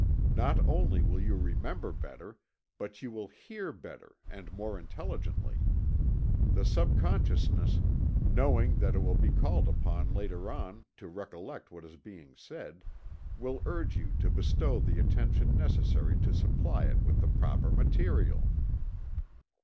Not only will you remember better, but you will hear better and more intelligently. The subconsciousness, knowing that it will be called upon later on to recollect what is being said, will urge you to bestow the attention necessary to supply it with the proper material.